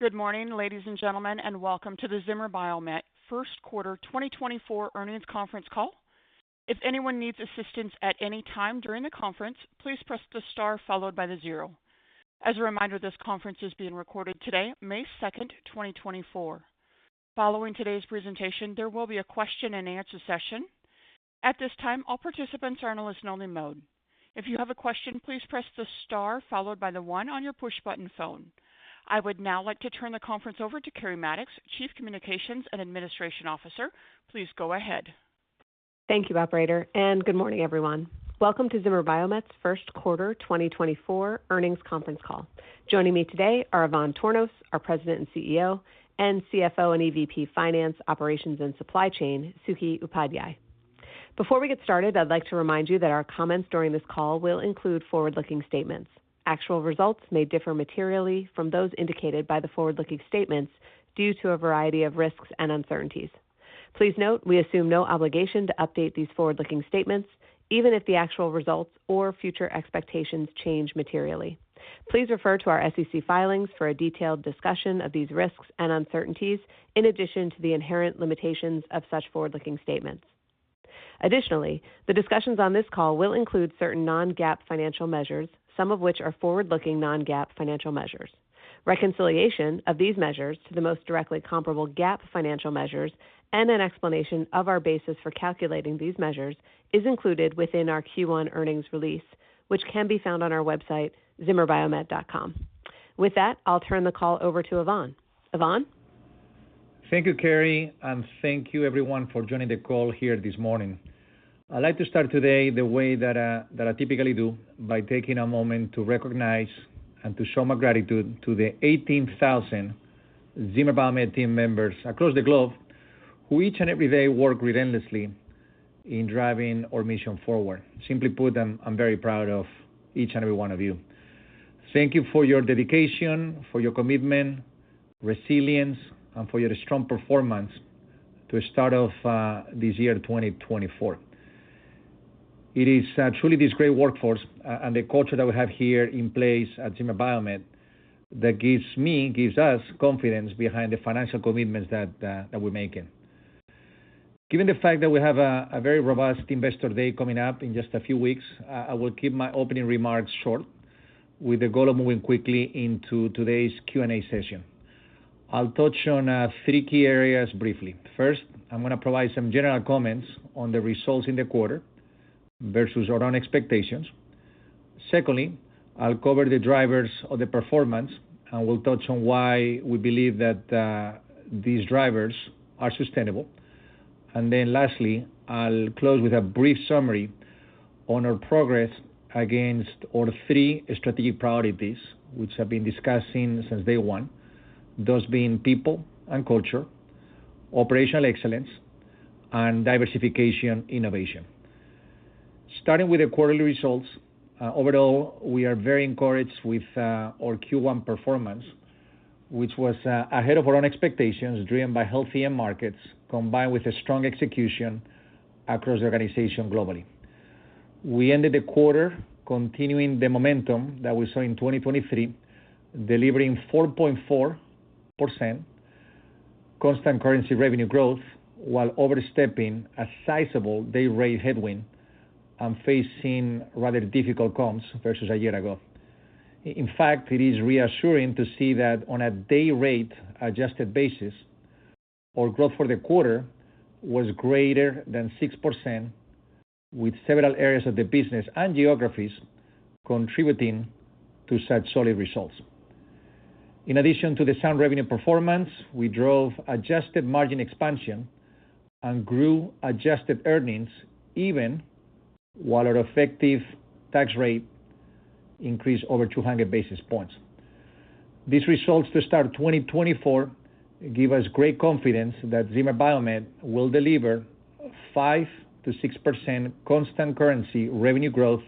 Good morning, ladies and gentlemen, and welcome to the Zimmer Biomet First Quarter 2024 Earnings Conference Call. If anyone needs assistance at any time during the conference, please press the star followed by the zero. As a reminder, this conference is being recorded today, May 2nd, 2024. Following today's presentation, there will be a question and answer session. At this time, all participants are in listen-only mode. If you have a question, please press the star followed by the one on your push-button phone. I would now like to turn the conference over to Keri Mattox, Chief Communications and Administration Officer. Please go ahead. Thank you, operator, and good morning, everyone. Welcome to Zimmer Biomet's First Quarter 2024 Earnings Conference Call. Joining me today are Ivan Tornos, our President and CEO, and CFO and EVP Finance, Operations, and Supply Chain, Suky Upadhyay. Before we get started, I'd like to remind you that our comments during this call will include forward-looking statements. Actual results may differ materially from those indicated by the forward-looking statements due to a variety of risks and uncertainties. Please note, we assume no obligation to update these forward-looking statements, even if the actual results or future expectations change materially. Please refer to our SEC filings for a detailed discussion of these risks and uncertainties, in addition to the inherent limitations of such forward-looking statements. Additionally, the discussions on this call will include certain Non-GAAP financial measures, some of which are forward-looking Non-GAAP financial measures. Reconciliation of these measures to the most directly comparable GAAP financial measures and an explanation of our basis for calculating these measures is included within our Q1 earnings release, which can be found on our website, zimmerbiomet.com. With that, I'll turn the call over to Ivan. Ivan? Thank you, Keri, and thank you everyone for joining the call here this morning. I'd like to start today the way that that I typically do, by taking a moment to recognize and to show my gratitude to the 18,000 Zimmer Biomet team members across the globe, who each and every day work relentlessly in driving our mission forward. Simply put, I'm very proud of each and every one of you. Thank you for your dedication, for your commitment, resilience, and for your strong performance to start off this year, 2024. It is truly this great workforce and the culture that we have here in place at Zimmer Biomet that gives me gives us confidence behind the financial commitments that that we're making. Given the fact that we have a very robust Investor Day coming up in just a few weeks, I will keep my opening remarks short, with the goal of moving quickly into today's Q&A session. I'll touch on three key areas briefly. First, I'm gonna provide some general comments on the results in the quarter versus our own expectations. Secondly, I'll cover the drivers of the performance, and we'll touch on why we believe that these drivers are sustainable. And then lastly, I'll close with a brief summary on our progress against our three strategic priorities, which have been discussing since day one. Those being people and culture, operational excellence, and diversification innovation. Starting with the quarterly results, overall, we are very encouraged with our Q1 performance, which was ahead of our own expectations, driven by healthy end markets, combined with a strong execution across the organization globally. We ended the quarter continuing the momentum that we saw in 2023, delivering 4.4% constant currency revenue growth, while overstepping a sizable dayrate headwind and facing rather difficult comps versus a year ago. In fact, it is reassuring to see that on a dayrate-adjusted basis, our growth for the quarter was greater than 6%, with several areas of the business and geographies contributing to such solid results. In addition to the sound revenue performance, we drove adjusted margin expansion and grew adjusted earnings, even while our effective tax rate increased over 200 basis points. These results to start 2024 give us great confidence that Zimmer Biomet will deliver 5%-6% constant currency revenue growth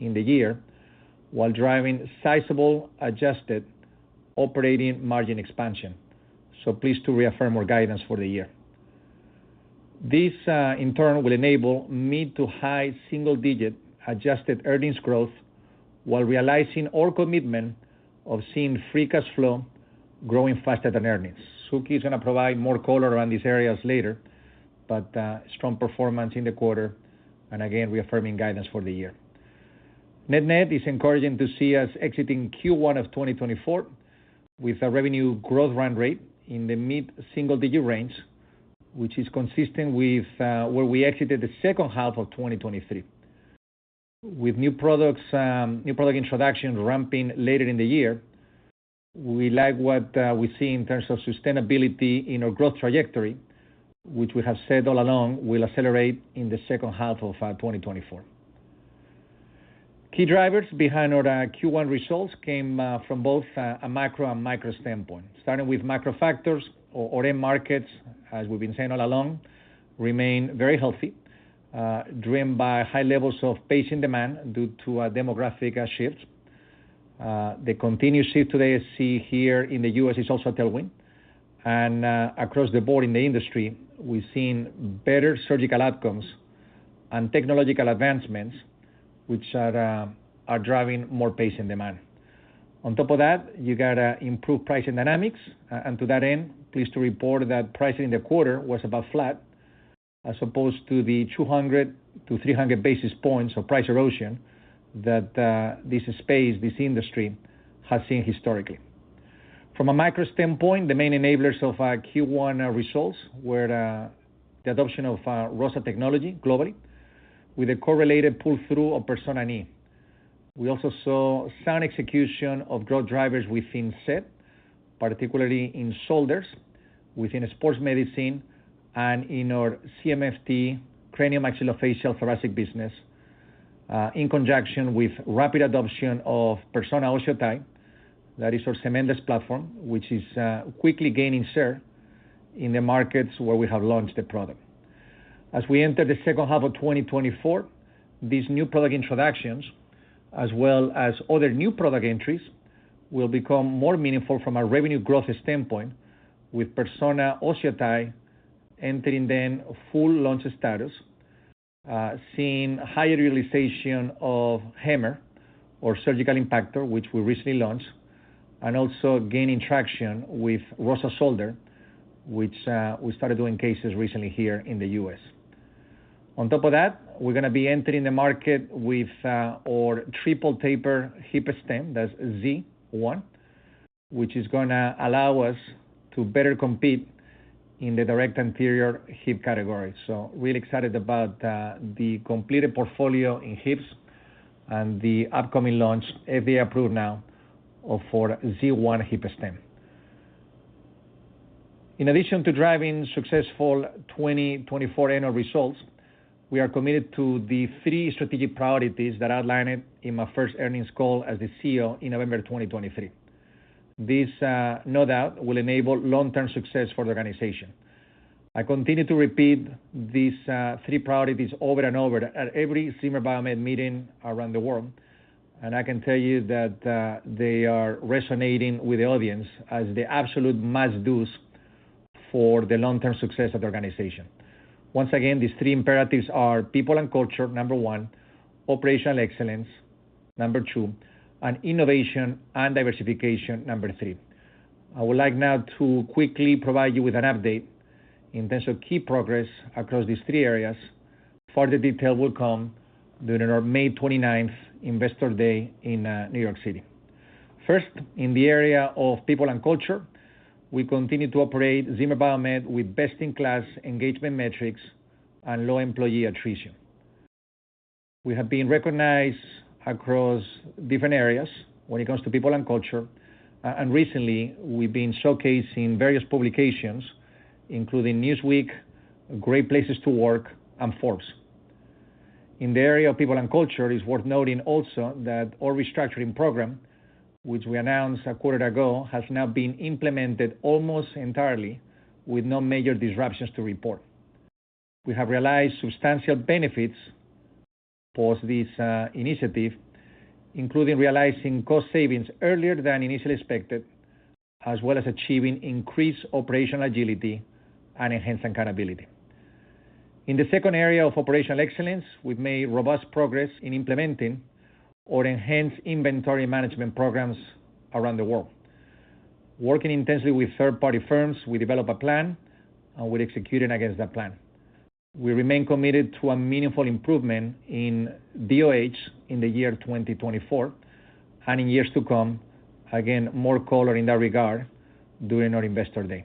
in the year, while driving sizable adjusted operating margin expansion, so pleased to reaffirm our guidance for the year. This, in turn, will enable mid- to high-single-digit adjusted earnings growth while realizing our commitment of seeing free cash flow growing faster than earnings. Suky is gonna provide more color around these areas later, but, strong performance in the quarter, and again, reaffirming guidance for the year. Net-net, it's encouraging to see us exiting Q1 of 2024 with a revenue growth run rate in the mid-single-digit range, which is consistent with, where we exited the second half of 2023. With new products, new product introduction ramping later in the year, we like what we see in terms of sustainability in our growth trajectory, which we have said all along, will accelerate in the second half of 2024. Key drivers behind our Q1 results came from both a macro and micro standpoint. Starting with micro factors, our end markets, as we've been saying all along, remain very healthy, driven by high levels of patient demand due to demographic shifts. The continued shift to ASC here in the U.S. is also a tailwind, and across the board in the industry, we've seen better surgical outcomes and technological advancements, which are driving more patient demand. On top of that, you got a improved pricing dynamics. And to that end, pleased to report that pricing in the quarter was about flat, as opposed to the 200-300 basis points of price erosion that, this space, this industry, has seen historically. From a micro standpoint, the main enablers of Q1 results were the adoption of ROSA technology globally, with a correlated pull-through of Persona Knee. We also saw sound execution of growth drivers within SET, particularly in shoulders, within sports medicine, and in our CMFT, craniomaxillofacial, thoracic business, in conjunction with rapid adoption of Persona OsseoTi. That is our cementless platform, which is quickly gaining share in the markets where we have launched the product. As we enter the second half of 2024, these new product introductions, as well as other new product entries, will become more meaningful from a revenue growth standpoint, with Persona OsseoTi entering the full launch status, seeing higher utilization of HAMMR surgical impactor, which we recently launched, and also gaining traction with ROSA Shoulder, which, we started doing cases recently here in the U.S. On top of that, we're gonna be entering the market with, our triple taper hip stem, that's Z1, which is gonna allow us to better compete in the direct anterior hip category. So really excited about, the completed portfolio in hips and the upcoming launch, FDA approved now, of our Z1 hip stem. In addition to driving successful 2024 annual results, we are committed to the three strategic priorities that I outlined in my first earnings call as the CEO in November of 2023. This, no doubt will enable long-term success for the organization. I continue to repeat these, three priorities over and over at every Zimmer Biomet meeting around the world, and I can tell you that, they are resonating with the audience as the absolute must-dos for the long-term success of the organization. Once again, these three imperatives are people and culture, number one, operational excellence, number two, and innovation and diversification, number three. I would like now to quickly provide you with an update in terms of key progress across these three areas. Further detail will come during our May twenty-ninth Investor Day in, New York City. First, in the area of people and culture, we continue to operate Zimmer Biomet with best-in-class engagement metrics and low employee attrition. We have been recognized across different areas when it comes to people and culture and recently, we've been showcasing various publications, including Newsweek, Great Places to Work, and Forbes. In the area of people and culture, it's worth noting also that our restructuring program, which we announced a quarter ago, has now been implemented almost entirely with no major disruptions to report. We have realized substantial benefits for this initiative, including realizing cost savings earlier than initially expected, as well as achieving increased operational agility and enhanced accountability. In the second area of operational excellence, we've made robust progress in implementing our enhanced inventory management programs around the world. Working intensely with third-party firms, we developed a plan, and we're executing against that plan. We remain committed to a meaningful improvement in DOH in the year 2024, and in years to come. Again, more color in that regard during our Investor Day.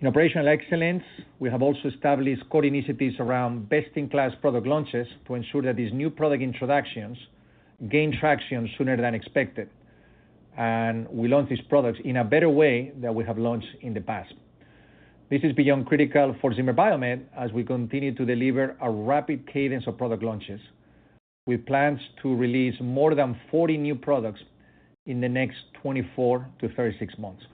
In operational excellence, we have also established core initiatives around best-in-class product launches to ensure that these new product introductions gain traction sooner than expected, and we launch these products in a better way than we have launched in the past. This is beyond critical for Zimmer Biomet as we continue to deliver a rapid cadence of product launches. We plan to release more than 40 new products in the next 24-36 months.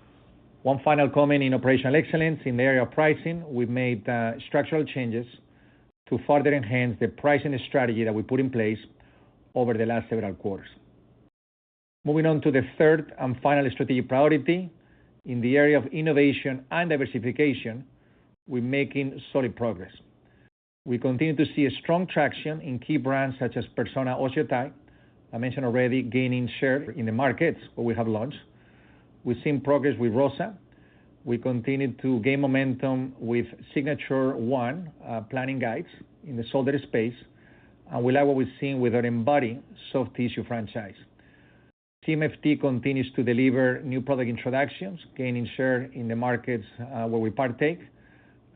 One final comment in operational excellence, in the area of pricing, we've made structural changes to further enhance the pricing strategy that we put in place over the last several quarters. Moving on to the third and final strategic priority, in the area of innovation and diversification, we're making solid progress. We continue to see a strong traction in key brands such as Persona OsseoTi, I mentioned already, gaining share in the markets where we have launched. We've seen progress with ROSA. We continue to gain momentum with Signature ONE, planning guides in the shoulder space, and we like what we've seen with our Embody soft tissue franchise. CMFT continues to deliver new product introductions, gaining share in the markets, where we partake,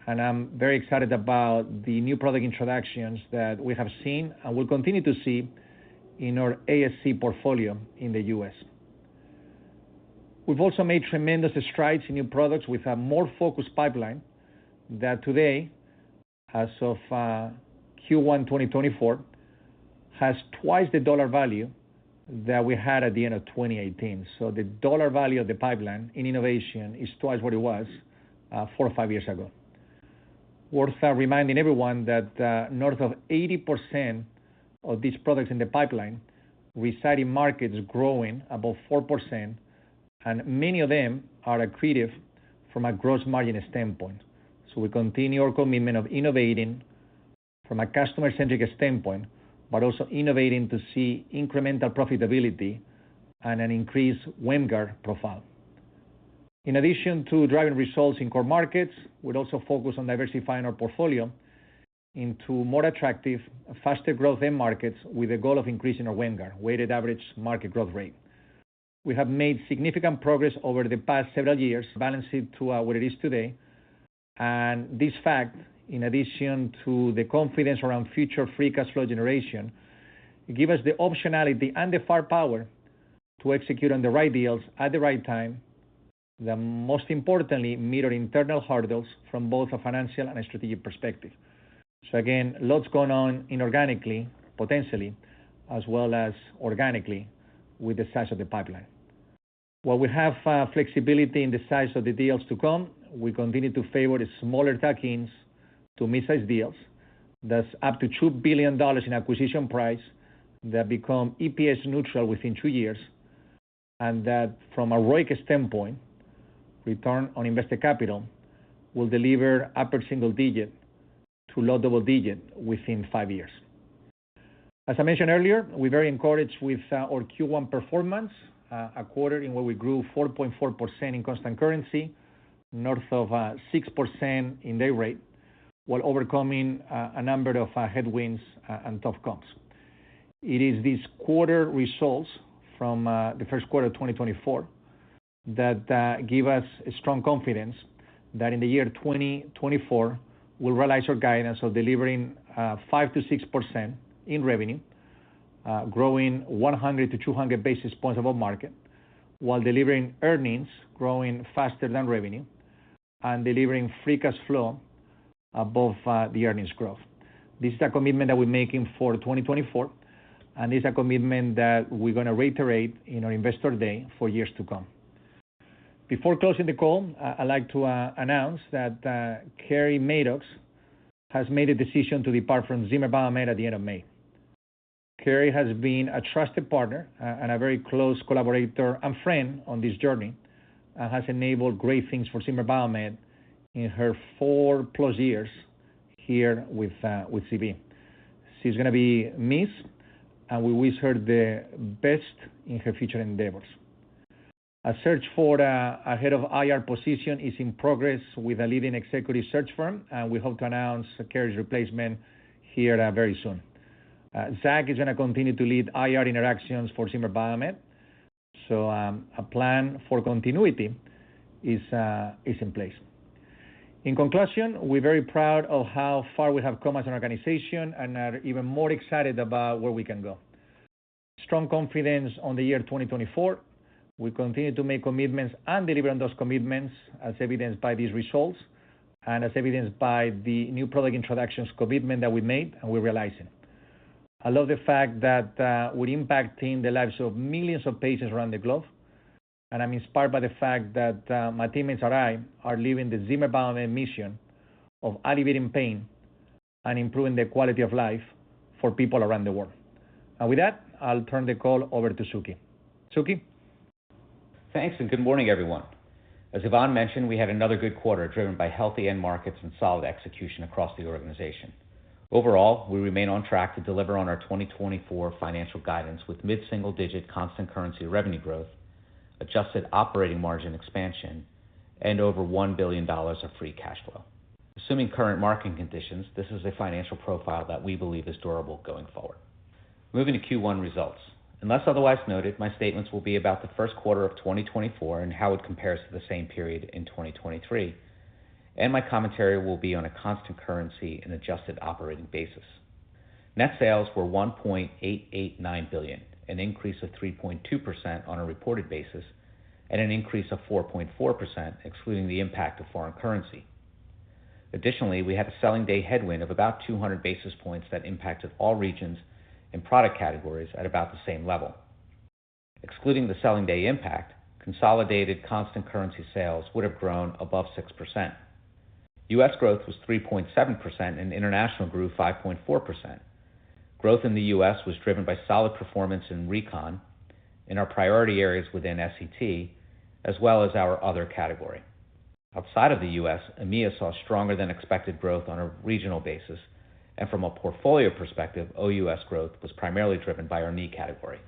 and I'm very excited about the new product introductions that we have seen and will continue to see in our ASC portfolio in the U.S. We've also made tremendous strides in new products with a more focused pipeline that today, as of Q1 2024, has twice the dollar value that we had at the end of 2018. So the dollar value of the pipeline in innovation is twice what it was four or five years ago. Worth reminding everyone that north of 80% of these products in the pipeline, we see the markets growing above 4%... and many of them are accretive from a gross margin standpoint. So we continue our commitment of innovating from a customer-centric standpoint, but also innovating to see incremental profitability and an increased WAMGR profile. In addition to driving results in core markets, we'd also focus on diversifying our portfolio into more attractive, faster growth end markets, with the goal of increasing our WAMGR, weighted average market growth rate. We have made significant progress over the past several years, balancing to what it is today, and this fact, in addition to the confidence around future free cash flow generation, give us the optionality and the firepower to execute on the right deals at the right time, that most importantly, meet our internal hurdles from both a financial and a strategic perspective. So again, lots going on inorganically, potentially, as well as organically with the size of the pipeline. While we have flexibility in the size of the deals to come, we continue to favor the smaller tuck-ins to mid-size deals. That's up to $2 billion in acquisition price that become EPS neutral within two years, and that from a ROIC standpoint, return on invested capital, will deliver upper single digit to low double digit within five years. As I mentioned earlier, we're very encouraged with our Q1 performance, a quarter in where we grew 4.4% in constant currency, north of 6% in dayrate, while overcoming a number of headwinds and tough comps. It is these quarter results from the first quarter of 2024 that give us strong confidence that in the year 2024, we'll realize our guidance of delivering 5%-6% in revenue, growing 100-200 basis points above market, while delivering earnings growing faster than revenue, and delivering free cash flow above the earnings growth. This is a commitment that we're making for 2024, and it's a commitment that we're gonna reiterate in our Investor Day for years to come. Before closing the call, I'd like to announce that Keri Mattox has made a decision to depart from Zimmer Biomet at the end of May. Keri has been a trusted partner and a very close collaborator and friend on this journey, and has enabled great things for Zimmer Biomet in her 4+ years here with ZB. She's gonna be missed, and we wish her the best in her future endeavors. A search for a head of IR position is in progress with a leading executive search firm, and we hope to announce Keri's replacement here very soon. Zach is gonna continue to lead IR interactions for Zimmer Biomet, so a plan for continuity is in place. In conclusion, we're very proud of how far we have come as an organization and are even more excited about where we can go. Strong confidence on the year 2024. We continue to make commitments and delivering those commitments, as evidenced by these results, and as evidenced by the new product introductions commitment that we made, and we're realizing. I love the fact that we're impacting the lives of millions of patients around the globe, and I'm inspired by the fact that my teammates and I are living the Zimmer Biomet mission of alleviating pain and improving the quality of life for people around the world. And with that, I'll turn the call over to Suky. Suky? Thanks, and good morning, everyone. As Ivan mentioned, we had another good quarter, driven by healthy end markets and solid execution across the organization. Overall, we remain on track to deliver on our 2024 financial guidance, with mid-single-digit constant currency revenue growth, adjusted operating margin expansion, and over $1 billion of free cash flow. Assuming current market conditions, this is a financial profile that we believe is durable going forward. Moving to Q1 results. Unless otherwise noted, my statements will be about the first quarter of 2024 and how it compares to the same period in 2023, and my commentary will be on a constant currency and adjusted operating basis. Net sales were $1.889 billion, an increase of 3.2% on a reported basis, and an increase of 4.4%, excluding the impact of foreign currency. Additionally, we had a selling day headwind of about 200 basis points that impacted all regions and product categories at about the same level. Excluding the selling day impact, consolidated constant currency sales would have grown above 6%. U.S. growth was 3.7%, and international grew 5.4%. Growth in the U.S. was driven by solid performance in Recon, in our priority areas within SET, as well as our other category. Outside of the U.S., EMEA saw stronger than expected growth on a regional basis, and from a portfolio perspective, OUS growth was primarily driven by our knee category.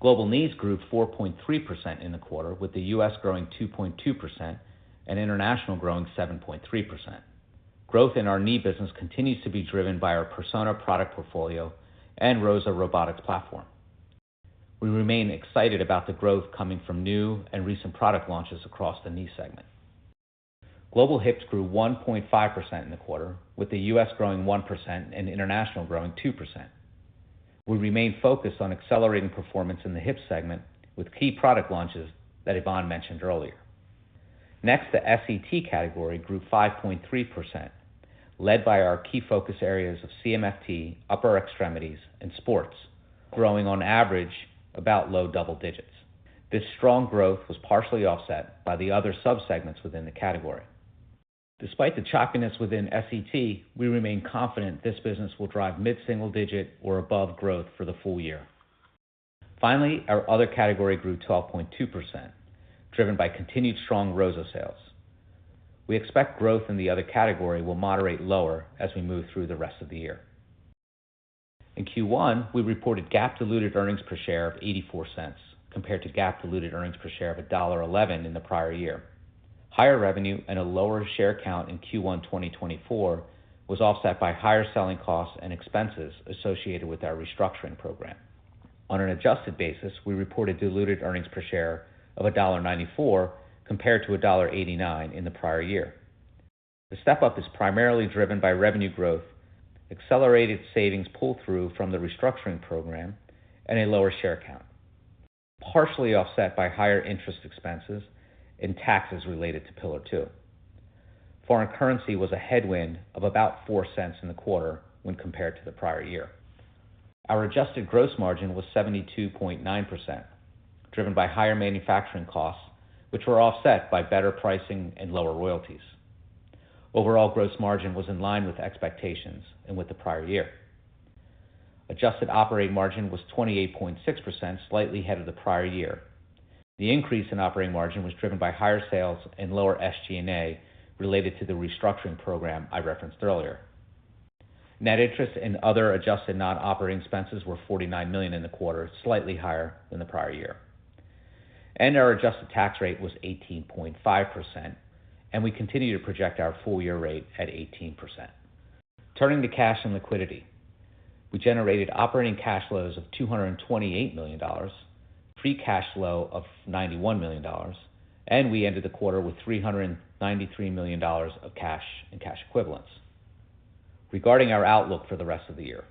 Global knees grew 4.3% in the quarter, with the U.S. growing 2.2% and international growing 7.3%. Growth in our knee business continues to be driven by our Persona product portfolio and Rosa Robotics platform. We remain excited about the growth coming from new and recent product launches across the knee segment. Global hips grew 1.5% in the quarter, with the U.S. growing 1% and international growing 2%. We remain focused on accelerating performance in the hip segment with key product launches that Ivan mentioned earlier. Next, the SET category grew 5.3%, led by our key focus areas of CMFT, upper extremities, and sports, growing on average about low double digits. This strong growth was partially offset by the other sub-segments within the category. Despite the choppiness within SET, we remain confident this business will drive mid-single digit or above growth for the full year. Finally, our other category grew 12.2%, driven by continued strong ROSA sales. We expect growth in the other category will moderate lower as we move through the rest of the year. In Q1, we reported GAAP diluted earnings per share of $0.84, compared to GAAP diluted earnings per share of $1.11 in the prior year. Higher revenue and a lower share count in Q1 2024 was offset by higher selling costs and expenses associated with our restructuring program. On an adjusted basis, we reported diluted earnings per share of $1.94, compared to $1.89 in the prior year. The step-up is primarily driven by revenue growth, accelerated savings pull-through from the restructuring program, and a lower share count, partially offset by higher interest expenses and taxes related to Pillar Two. Foreign currency was a headwind of about $0.04 in the quarter when compared to the prior year. Our adjusted gross margin was 72.9%, driven by higher manufacturing costs, which were offset by better pricing and lower royalties. Overall, gross margin was in line with expectations and with the prior year. Adjusted operating margin was 28.6%, slightly ahead of the prior year. The increase in operating margin was driven by higher sales and lower SG&A related to the restructuring program I referenced earlier. Net interest and other adjusted non-operating expenses were $49 million in the quarter, slightly higher than the prior year. Our adjusted tax rate was 18.5%, and we continue to project our full year rate at 18%. Turning to cash and liquidity. We generated operating cash flows of $228 million, free cash flow of $91 million, and we ended the quarter with $393 million of cash and cash equivalents. Regarding our outlook for the rest of the year,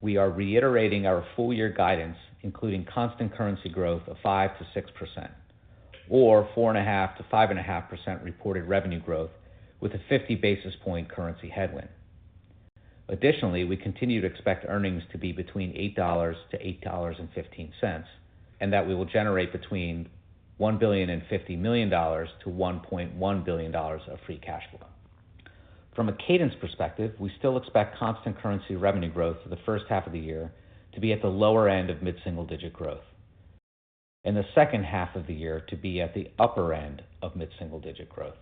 we are reiterating our full year guidance, including constant currency growth of 5%-6% or 4.5%-5.5% reported revenue growth with a fifty basis point currency headwind. Additionally, we continue to expect earnings to be between $8-$8.15, and that we will generate between $1.05 billion-$1.1 billion of free cash flow. From a cadence perspective, we still expect constant currency revenue growth for the first half of the year to be at the lower end of mid-single digit growth, and the second half of the year to be at the upper end of mid-single digit growth.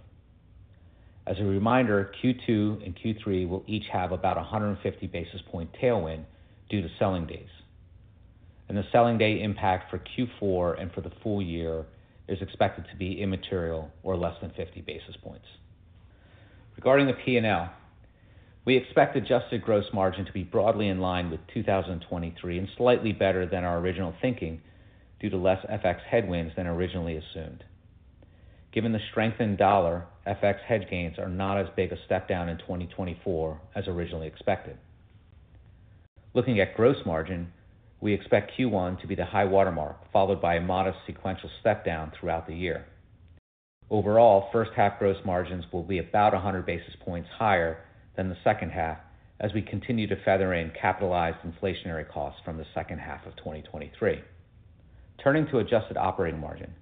As a reminder, Q2 and Q3 will each have about 150 basis point tailwind due to selling days, and the selling day impact for Q4 and for the full year is expected to be immaterial or less than 50 basis points. Regarding the P&L, we expect adjusted gross margin to be broadly in line with 2023, and slightly better than our original thinking, due to less FX headwinds than originally assumed. Given the strength in dollar, FX head gains are not as big a step down in 2024 as originally expected. Looking at gross margin, we expect Q1 to be the high watermark, followed by a modest sequential step down throughout the year. Overall, first half gross margins will be about 100 basis points higher than the second half as we continue to feather in capitalized inflationary costs from the second half of 2023. Turning to adjusted operating margin,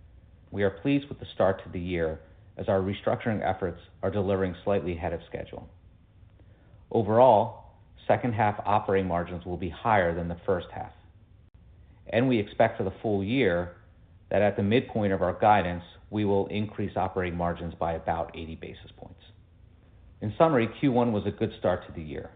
we are pleased with the start to the year as our restructuring efforts are delivering slightly ahead of schedule. Overall, second half operating margins will be higher than the first half, and we expect for the full year that at the midpoint of our guidance, we will increase operating margins by about 80 basis points. In summary, Q1 was a good start to the year.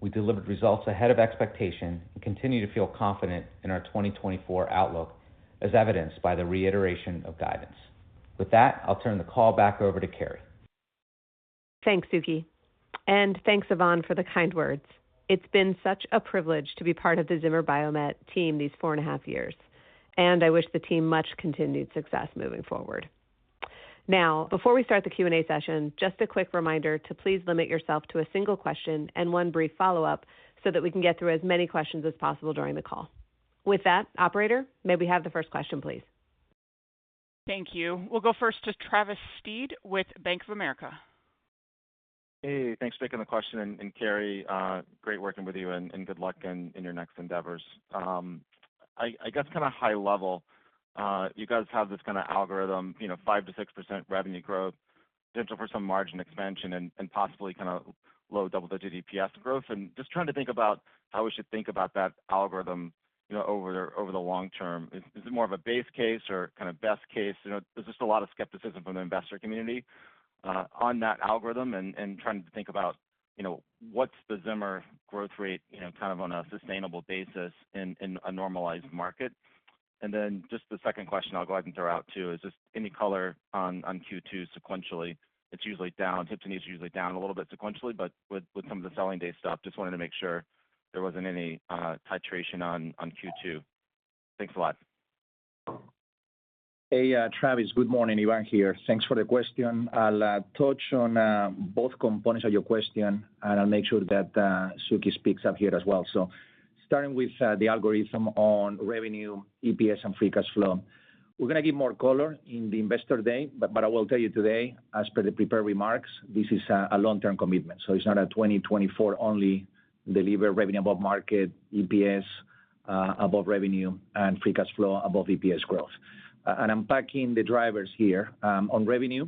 We delivered results ahead of expectation and continue to feel confident in our 2024 outlook, as evidenced by the reiteration of guidance. With that, I'll turn the call back over to Keri. Thanks, Suky, and thanks, Ivan, for the kind words. It's been such a privilege to be part of the Zimmer Biomet team these four and a half years, and I wish the team much continued success moving forward. Now, before we start the Q&A session, just a quick reminder to please limit yourself to a single question and one brief follow-up so that we can get through as many questions as possible during the call. With that, operator, may we have the first question, please? Thank you. We'll go first to Travis Steed with Bank of America. Hey, thanks for taking the question, and Keri, great working with you and good luck in your next endeavors. I guess kind of high level, you guys have this kind of algorithm, you know, 5%-6% revenue growth, potential for some margin expansion and possibly kind of low double-digit EPS growth. Just trying to think about how we should think about that algorithm, you know, over the long term. Is it more of a base case or kind of best case? You know, there's just a lot of skepticism from the investor community on that algorithm and trying to think about, you know, what's the Zimmer growth rate, you know, kind of on a sustainable basis in a normalized market? And then just the second question I'll go ahead and throw out, too, is just any color on Q2 sequentially? It's usually down, hip and knee is usually down a little bit sequentially, but with some of the selling day stuff, just wanted to make sure there wasn't any titration on Q2. Thanks a lot. Hey, Travis, good morning. Ivan here. Thanks for the question. I'll touch on both components of your question, and I'll make sure that Suky speaks up here as well. So starting with the algorithm on revenue, EPS, and free cash flow. We're going to give more color in the Investor Day, but, but I will tell you today, as per the prepared remarks, this is a long-term commitment, so it's not a 2024 only deliver revenue above market, EPS above revenue and free cash flow above EPS growth. And I'm packing the drivers here on revenue,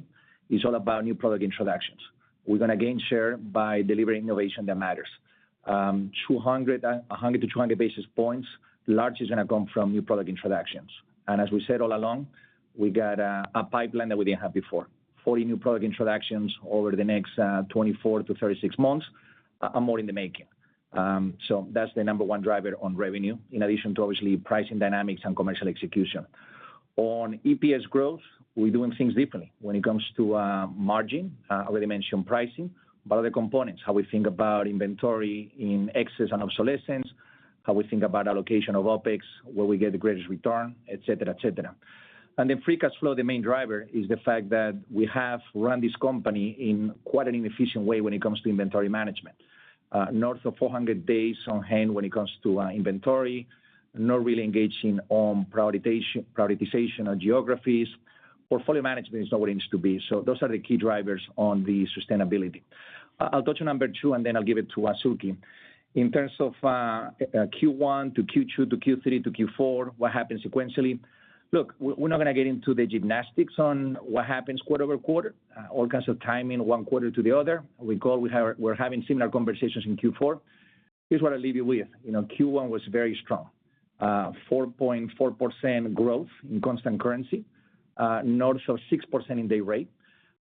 it's all about new product introductions. We're gonna gain share by delivering innovation that matters. 100-200 basis points large is gonna come from new product introductions. As we said all along, we got a pipeline that we didn't have before. 40 new product introductions over the next 24-36 months are more in the making. So that's the number one driver on revenue, in addition to, obviously, pricing dynamics and commercial execution. On EPS growth, we're doing things differently when it comes to margin. I already mentioned pricing, but other components, how we think about inventory in excess and obsolescence, how we think about allocation of OpEx, where we get the greatest return, et cetera, et cetera. And then free cash flow, the main driver, is the fact that we have run this company in quite an inefficient way when it comes to inventory management. North of 400 days on hand when it comes to inventory, not really engaging on prioritization on geographies. Portfolio management is not where it needs to be. So those are the key drivers on the sustainability. I'll touch on number two, and then I'll give it to Suky. In terms of Q1 to Q2, to Q3, to Q4, what happens sequentially? Look, we're not gonna get into the gymnastics on what happens quarter-over-quarter, all kinds of timing, one quarter to the other. We're having similar conversations in Q4. Here's what I leave you with. You know, Q1 was very strong. 4.4% growth in constant currency, north of 6% in the rate.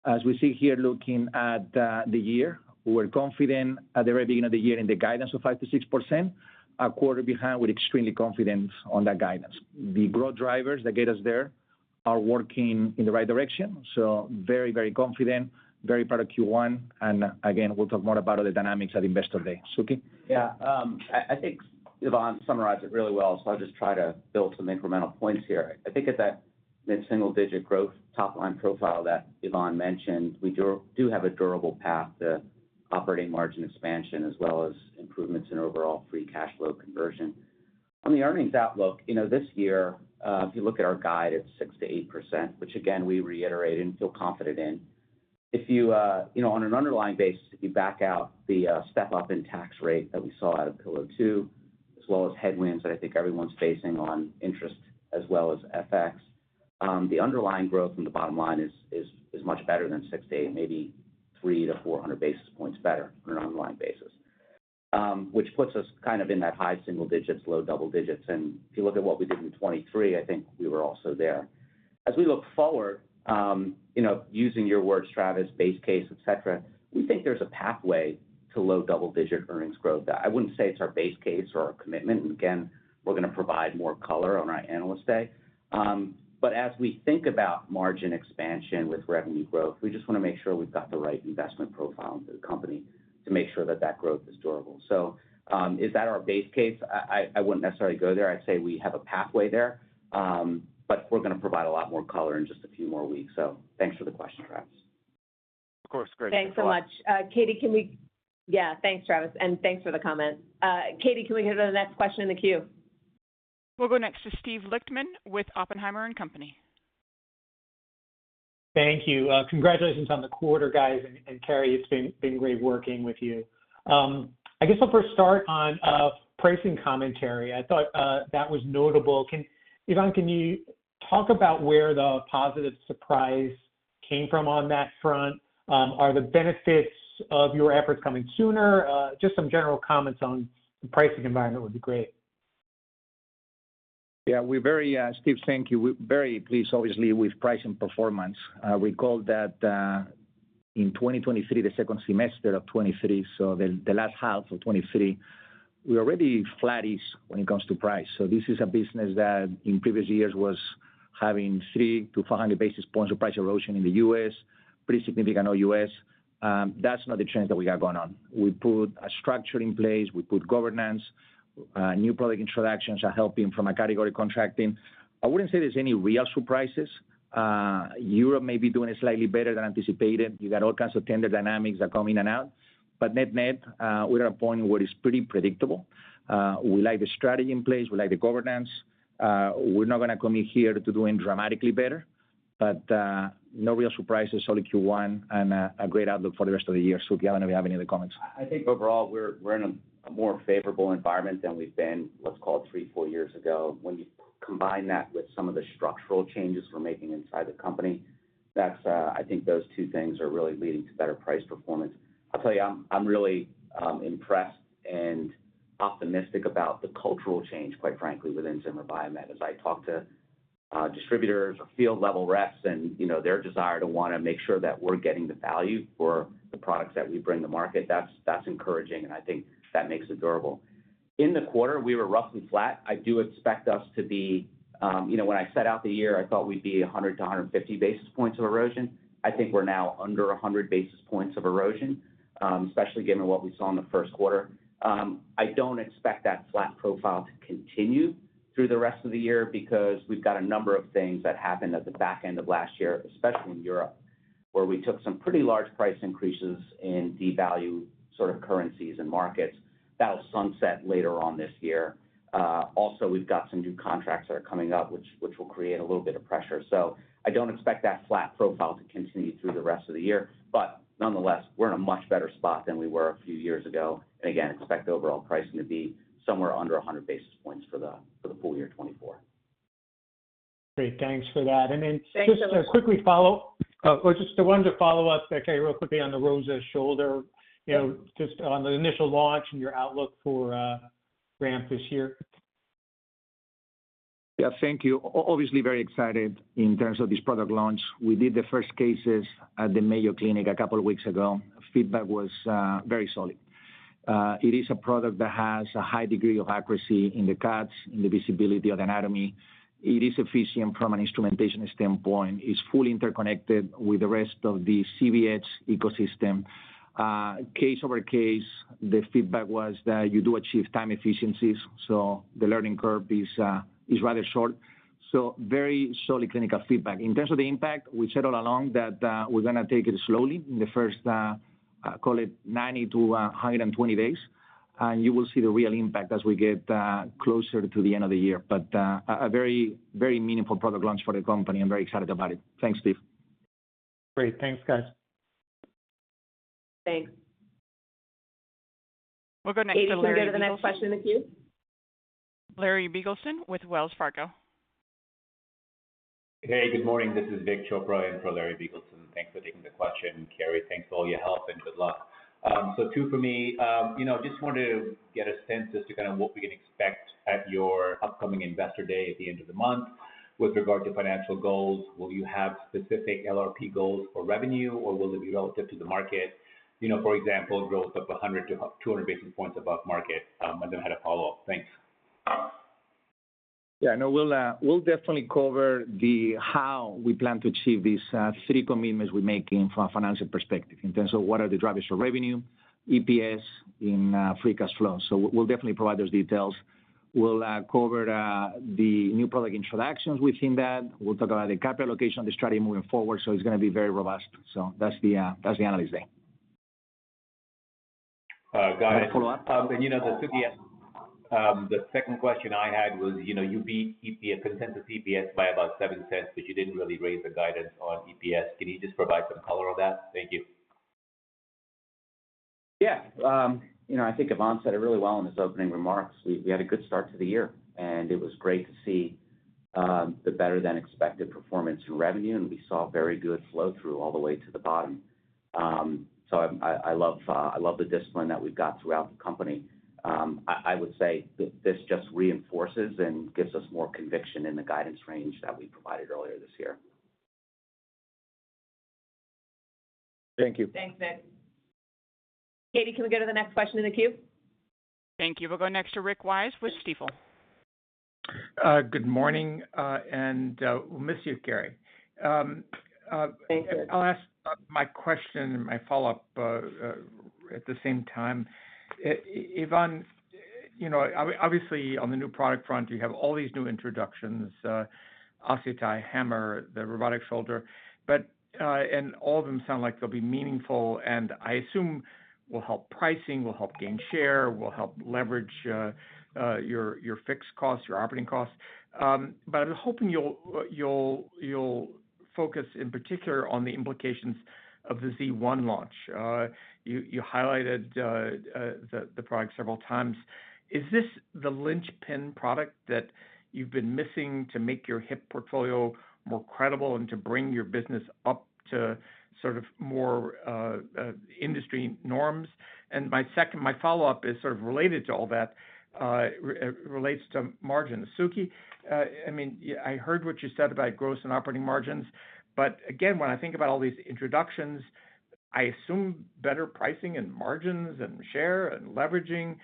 As we see here, looking at the year, we're confident at the very beginning of the year in the guidance of 5%-6%. A quarter behind, we're extremely confident on that guidance. The growth drivers that get us there are working in the right direction, so very, very confident, very proud of Q1, and again, we'll talk more about the dynamics at Investor Day. Suky? Yeah, I think Ivan summarized it really well, so I'll just try to build some incremental points here. I think at that mid-single-digit growth top line profile that Ivan mentioned, we do have a durable path to operating margin expansion, as well as improvements in overall free cash flow conversion. On the earnings outlook, you know, this year, if you look at our guide, it's 6%-8%, which again, we reiterate and feel confident in. If you, you know, on an underlying basis, if you back out the step-up in tax rate that we saw out of Pillar Two, as well as headwinds that I think everyone's facing on interest as well as FX, the underlying growth from the bottom line is, is, is much better than 6%-8%, maybe 300-400 basis points better on an ongoing basis. Which puts us kind of in that high single digits, low double digits, and if you look at what we did in 2023, I think we were also there. As we look forward, you know, using your words, Travis, base case, et cetera, we think there's a pathway to low double-digit earnings growth. That, I wouldn't say, it's our base case or our commitment, and again, we're gonna provide more color on our Analyst Day. As we think about margin expansion with revenue growth, we just wanna make sure we've got the right investment profile for the company to make sure that that growth is durable. So, is that our base case? I wouldn't necessarily go there. I'd say we have a pathway there, but we're gonna provide a lot more color in just a few more weeks. So thanks for the question, Travis. Of course, great. Thanks so much. Katie, can we, yeah, thanks, Travis, and thanks for the comment. Katie, can we hear the next question in the queue? We'll go next to Steve Lichtman with Oppenheimer & Co. Thank you. Congratulations on the quarter, guys, and Keri, it's been great working with you. I guess I'll first start on pricing commentary. I thought that was notable. Ivan, can you talk about where the positive surprise came from on that front? Are the benefits of your efforts coming sooner? Just some general comments on the pricing environment would be great. Yeah, we're very, Steve, thank you. We're very pleased, obviously, with price and performance. We called that, in 2023, the second semester of 2023, so the last half of 2023, we're already flattish when it comes to price. So this is a business that, in previous years, was having 300-400 basis points of price erosion in the U.S., pretty significant OUS. That's not the trend that we have going on. We put a structure in place. We put governance. New product introductions are helping from a category contracting. I wouldn't say there's any real surprises. Europe may be doing it slightly better than anticipated. You got all kinds of tender dynamics that come in and out, but net-net, we're at a point where it's pretty predictable. We like the strategy in place. We like the governance. We're not gonna commit here to doing dramatically better, but, no real surprises, solid Q1 and, a great outlook for the rest of the year. Suky, I don't know if you have any other comments. I think overall, we're in a more favorable environment than we've been, let's call it three-four years ago. When you combine that with some of the structural changes we're making inside the company, that's, I think those two things are really leading to better price performance. I'll tell you, I'm really impressed and optimistic about the cultural change, quite frankly, within Zimmer Biomet. As I talk to distributors or field-level reps and, you know, their desire to wanna make sure that we're getting the value for the products that we bring to market, that's encouraging, and I think that makes it durable. In the quarter, we were roughly flat. I do expect us to be... You know, when I set out the year, I thought we'd be 100-150 basis points of erosion. I think we're now under 100 basis points of erosion, especially given what we saw in the first quarter. I don't expect that flat profile to continue through the rest of the year because we've got a number of things that happened at the back end of last year, especially in Europe, where we took some pretty large price increases in devalue sort of currencies and markets. That'll sunset later on this year. Also, we've got some new contracts that are coming up, which will create a little bit of pressure. So I don't expect that flat profile to continue through the rest of the year, but nonetheless, we're in a much better spot than we were a few years ago. And again, expect overall pricing to be somewhere under 100 basis points for the full year 2024.... Great. Thanks for that. And then- Thanks, Steve. Just to quickly follow up, or just the one to follow up, okay, real quickly on the ROSA Shoulder, you know, just on the initial launch and your outlook for ramp this year. Yeah, thank you. Obviously, very excited in terms of this product launch. We did the first cases at the Mayo Clinic a couple of weeks ago. Feedback was very solid. It is a product that has a high degree of accuracy in the cuts, in the visibility of the anatomy. It is efficient from an instrumentation standpoint. It's fully interconnected with the rest of the ZBH ecosystem. Case over case, the feedback was that you do achieve time efficiencies, so the learning curve is rather short. So very solid clinical feedback. In terms of the impact, we said all along that we're gonna take it slowly in the first, call it 90-120 days, and you will see the real impact as we get closer to the end of the year. But, a very, very meaningful product launch for the company. I'm very excited about it. Thanks, Steve. Great. Thanks, guys. Thanks. We'll go next to Larry Biegelsen. Katie, can we go to the next question in the queue? Larry Biegelsen with Wells Fargo. Hey, good morning. This is Vik Chopra in for Larry Biegelsen. Thanks for taking the question, Keri. Thanks for all your help and good luck. So two for me. You know, just wanted to get a sense as to kind of what we can expect at your upcoming Investor Day at the end of the month with regard to financial goals. Will you have specific LRP goals for revenue, or will it be relative to the market? You know, for example, growth of 100-200 basis points above market, and then I had a follow-up. Thanks. Yeah, no, we'll definitely cover the how we plan to achieve these three commitments we're making from a financial perspective in terms of what are the drivers for revenue, EPS, and free cash flow. So we'll definitely provide those details. We'll cover the new product introductions within that. We'll talk about the capital allocation, the strategy moving forward, so it's gonna be very robust. So that's the analyst day. Got it. Follow-up? You know, the second question I had was, you know, you beat EPS, consensus EPS by about $0.07, but you didn't really raise the guidance on EPS. Can you just provide some color on that? Thank you. Yeah, you know, I think Ivan said it really well in his opening remarks. We had a good start to the year, and it was great to see the better-than-expected performance in revenue, and we saw very good flow-through all the way to the bottom. So I love the discipline that we've got throughout the company. I would say that this just reinforces and gives us more conviction in the guidance range that we provided earlier this year. Thank you. Thanks, Vik. Katie, can we go to the next question in the queue? Thank you. We'll go next to Rick Wise with Stifel. Good morning, and we'll miss you, Keri. Thank you. I'll ask my question and my follow-up at the same time. Ivan, you know, obviously, on the new product front, you have all these new introductions, OsseoTi, HAMMR, the robotic shoulder, but and all of them sound like they'll be meaningful, and I assume will help pricing, will help gain share, will help leverage your fixed costs, your operating costs. But I'm hoping you'll focus in particular on the implications of the Z1 launch. You highlighted the product several times. Is this the linchpin product that you've been missing to make your hip portfolio more credible and to bring your business up to sort of more industry norms? And my second - my follow-up is sort of related to all that, relates to margin. Suky, I mean, I heard what you said about gross and operating margins, but again, when I think about all these introductions, I assume better pricing and margins and share and leveraging.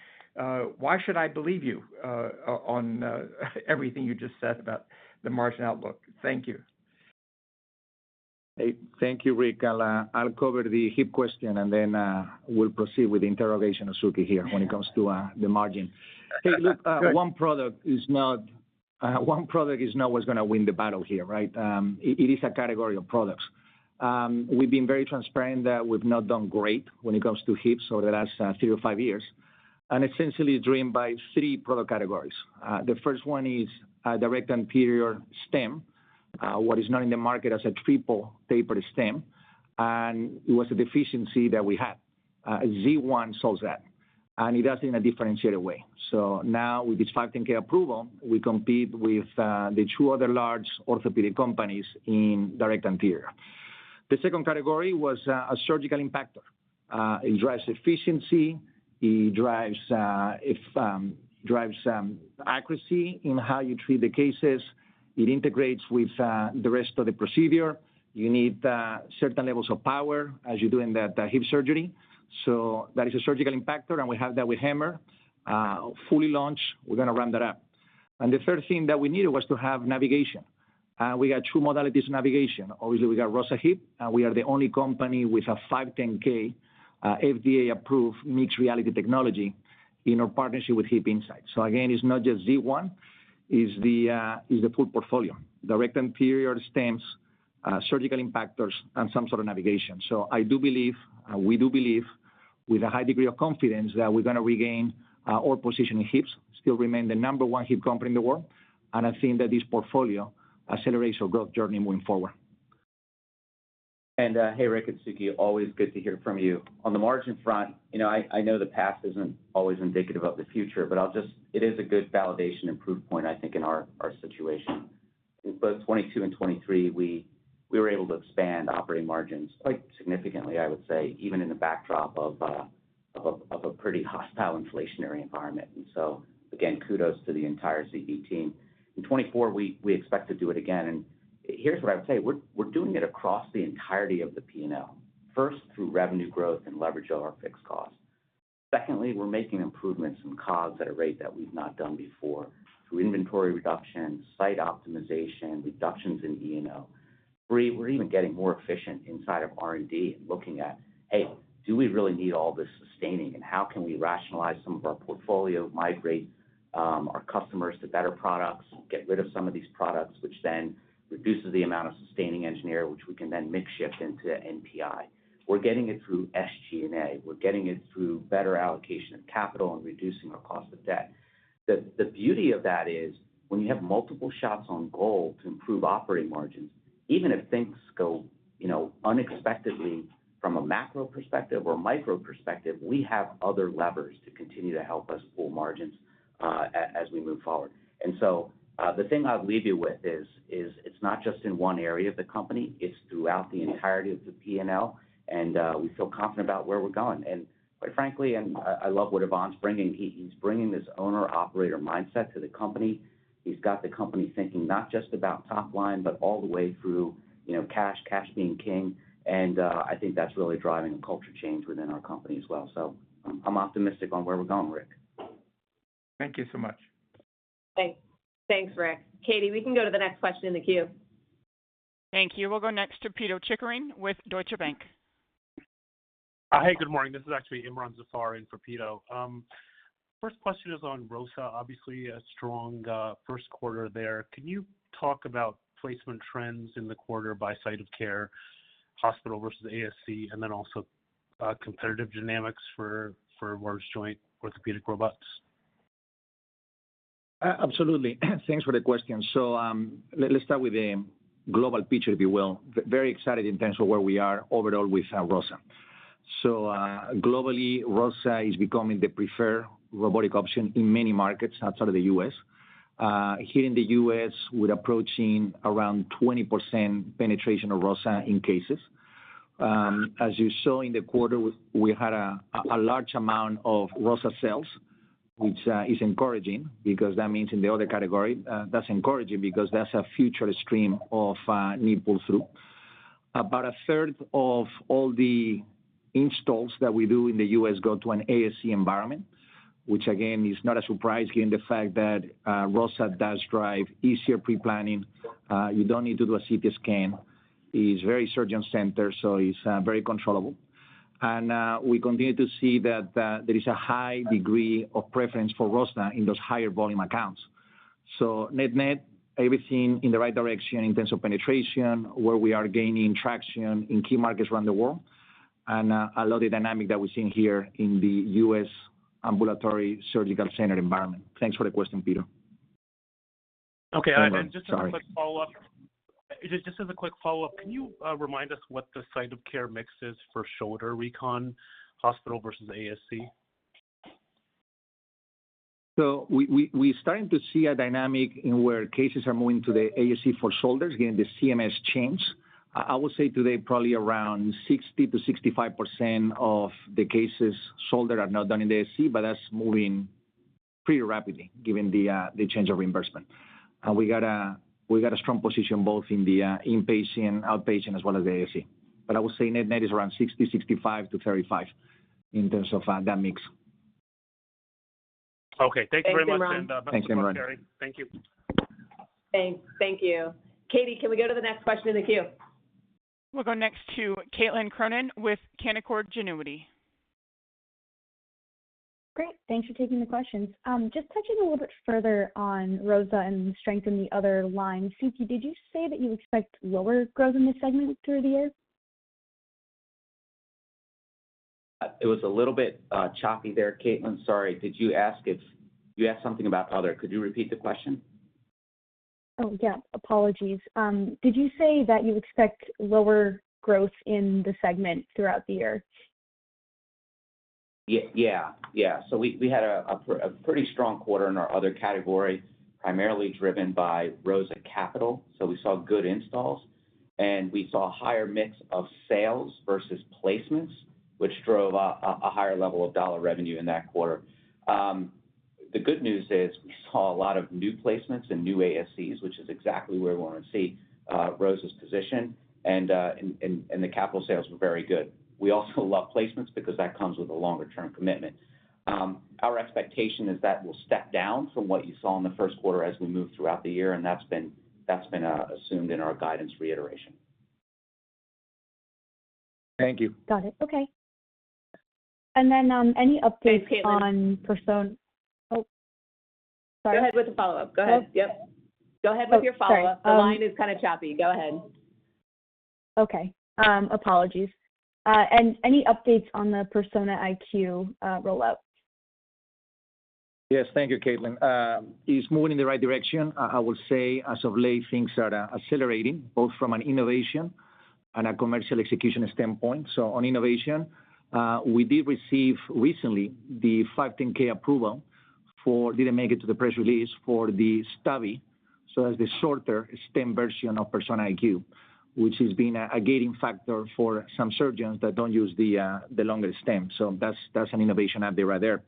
Why should I believe you on everything you just said about the margin outlook? Thank you. Hey, thank you, Rick. I'll cover the hip question, and then, we'll proceed with the interrogation of Suky here when it comes to, the margin. Hey, look, one product is not, one product is not what's gonna win the battle here, right? It is a category of products. We've been very transparent that we've not done great when it comes to hips over the last, three-five years, and essentially driven by three product categories. The first one is, direct anterior stem, what is known in the market as a triple taper stem, and it was a deficiency that we had. Z1 solves that, and it does it in a differentiated way. So now with this 510(k) approval, we compete with, the two other large orthopedic companies in direct anterior. The second category was a surgical impactor. It drives efficiency, it drives accuracy in how you treat the cases. It integrates with the rest of the procedure. You need certain levels of power as you do in the hip surgery. So that is a surgical impactor, and we have that with HAMMR. Fully launched. We're gonna ramp that up. And the third thing that we needed was to have navigation. We got two modalities of navigation. Obviously, we got ROSA Hip, and we are the only company with a 510(k) FDA-approved mixed reality technology in our partnership with HipInsight. So again, it's not just Z1, it's the full portfolio, direct anterior stems, surgical impactors, and some sort of navigation. I do believe we do believe with a high degree of confidence that we're gonna regain our position in hips, still remain the number one hip company in the world. I think that this portfolio accelerates our growth journey moving forward.... And, hey, Rick it's Suky, always good to hear from you. On the margin front, you know, I know the past isn't always indicative of the future, but it is a good validation and proof point, I think, in our situation. In both 2022 and 2023, we were able to expand operating margins quite significantly, I would say, even in the backdrop of a pretty hostile inflationary environment. And so again, kudos to the entire CE team. In 2024, we expect to do it again, and here's what I would say: We're doing it across the entirety of the P&L, first, through revenue growth and leverage of our fixed costs. Secondly, we're making improvements in costs at a rate that we've not done before, through inventory reduction, site optimization, reductions in E&O. We're even getting more efficient inside of R&D and looking at, "Hey, do we really need all this sustaining, and how can we rationalize some of our portfolio, migrate our customers to better products, get rid of some of these products?" Which then reduces the amount of sustaining engineer, which we can then make shift into NPI. We're getting it through SG&A. We're getting it through better allocation of capital and reducing our cost of debt. The beauty of that is, when you have multiple shots on goal to improve operating margins, even if things go, you know, unexpectedly from a macro perspective or micro perspective, we have other levers to continue to help us pull margins as we move forward. And so, the thing I'd leave you with is, it's not just in one area of the company, it's throughout the entirety of the P&L, and we feel confident about where we're going. And quite frankly, I love what Ivan's bringing. He, he's bringing this owner-operator mindset to the company. He's got the company thinking not just about top line, but all the way through, you know, cash, cash being king, and I think that's really driving a culture change within our company as well. So I'm optimistic on where we're going, Rick. Thank you so much. Thanks. Thanks, Rick. Katie, we can go to the next question in the queue. Thank you. We'll go next to Pito Chickering with Deutsche Bank. Hey, good morning. This is actually Imron Zafar in for Pito. First question is on ROSA. Obviously, a strong first quarter there. Can you talk about placement trends in the quarter by site of care, hospital versus ASC, and then also competitive dynamics for large joint orthopedic robots? Absolutely. Thanks for the question. So, let's start with the global picture, if you will. Very excited in terms of where we are overall with ROSA. So, globally, ROSA is becoming the preferred robotic option in many markets outside of the U.S. Here in the U.S., we're approaching around 20% penetration of ROSA in cases. As you saw in the quarter, we had a large amount of ROSA sales, which is encouraging, because that means in the other category... That's encouraging because that's a future stream of knee pull through. About a third of all the installs that we do in the U.S. go to an ASC environment, which, again, is not a surprise, given the fact that ROSA does drive easier pre-planning. You don't need to do a CT scan. It's very surgeon-centered, so it's very controllable. And we continue to see that there is a high degree of preference for ROSA in those higher volume accounts. So net-net, everything in the right direction in terms of penetration, where we are gaining traction in key markets around the world, and I love the dynamic that we're seeing here in the U.S. ambulatory surgical center environment. Thanks for the question, Peter. Okay, and then just a quick follow-up- Sorry. Just as a quick follow-up, can you remind us what the site of care mix is for shoulder recon, hospital versus ASC? So we're starting to see a dynamic in where cases are moving to the ASC for shoulders, again, the CMS change. I would say today, probably around 60%-65% of the cases shoulder are now done in the ASC, but that's moving pretty rapidly given the change of reimbursement. And we got a strong position both in the inpatient, outpatient, as well as the ASC. But I would say net-net is around 60%-65% to 35% in terms of that mix. Okay, thank you very much. Thanks, Imron. Thanks, Imron. Thank you. Thanks. Thank you. Katie, can we go to the next question in the queue? We'll go next to Caitlin Cronin with Canaccord Genuity. Great, thanks for taking the questions. Just touching a little bit further on ROSA and strength in the other line. Suky, did you say that you expect lower growth in this segment through the year? It was a little bit choppy there, Caitlin, sorry. Did you ask if... You asked something about other. Could you repeat the question? Oh, yeah. Apologies. Did you say that you expect lower growth in the segment throughout the year? Yeah. Yeah, so we had a pretty strong quarter in our other category, primarily driven by ROSA capital, so we saw good installs, and we saw higher mix of sales versus placements, which drove a higher level of dollar revenue in that quarter. The good news is we saw a lot of new placements and new ASCs, which is exactly where we want to see ROSA's position, and the capital sales were very good. We also love placements, because that comes with a longer term commitment. Our expectation is that will step down from what you saw in the first quarter as we move throughout the year, and that's been assumed in our guidance reiteration. Thank you. Got it. Okay. And then, any updates on Persona? Thanks, Caitlin. Oh, sorry. Go ahead with the follow-up. Go ahead. Oh. Yep, go ahead with your follow-up. Oh, sorry. The line is kind of choppy. Go ahead. Okay, apologies. And any updates on the Persona IQ rollout?... Yes, thank you, Caitlin. It's moving in the right direction. I, I would say as of late, things are accelerating, both from an innovation and a commercial execution standpoint. So on innovation, we did receive recently the 510(k) approval for, didn't make it to the press release, for the study. So as the shorter stem version of Persona IQ, which has been a, a gating factor for some surgeons that don't use the longer stem. So that's, that's an innovation update right there.